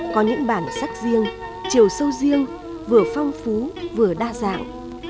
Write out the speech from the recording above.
có những bản sắc riêng chiều sâu riêng vừa phong phú vừa đa dạng